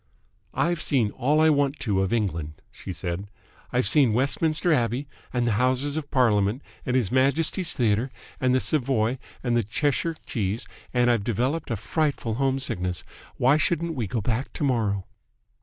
"I've seen all I want to of England," she said, "I've seen Westminster Abbey and the Houses of Parliament and His Majesty's Theatre and the Savoy and the Cheshire Cheese, and I've developed a frightful home sickness. Why shouldn't we go back to morrow?"